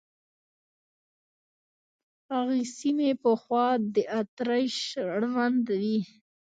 هغه سیمې پخوا د اتریش اړوند وې.